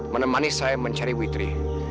menemani saya mencari witri